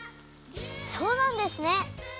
そうなんですね！